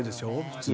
普通。